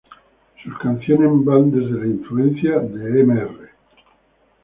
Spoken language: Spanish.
Sus canciones van desde las influencias de Mr.